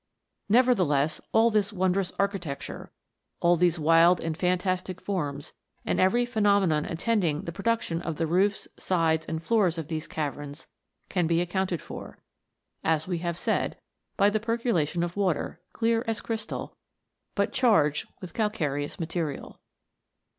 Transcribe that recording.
Nevertheless, all this wondrous architecture all these wild and fantastic forms, and every phe nomenon attending the production of the roofs, sides, and floors of these caverns, can be accounted for, as we have said, by the percolation of water, clear as crystal, but charged with calcareous material.